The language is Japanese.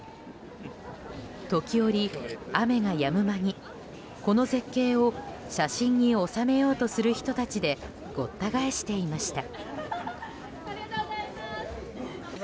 時折、雨がやむ間にこの絶景を写真に収めようとする人たちでごった返していました。